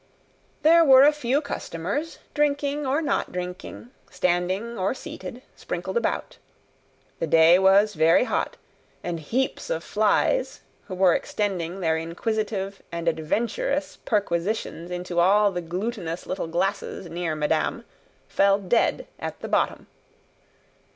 There were a few customers, drinking or not drinking, standing or seated, sprinkled about. The day was very hot, and heaps of flies, who were extending their inquisitive and adventurous perquisitions into all the glutinous little glasses near madame, fell dead at the bottom.